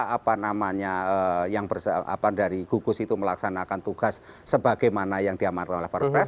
apa namanya yang dari gugus itu melaksanakan tugas sebagaimana yang diamankan oleh perpres